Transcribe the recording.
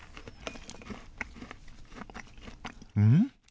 うん？